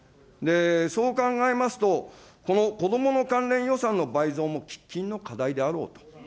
そう考えますと、この子どもの関連予算の倍増も喫緊の課題であろうと。